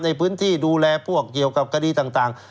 ในพื้นที่ดูแลพวกเกี่ยวกับคดีต่าง